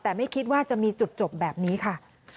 แต่ไม่คิดว่าจะมีจุดจบแบบนี้ค่ะ